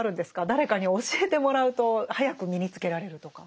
誰かに教えてもらうと早く身につけられるとか。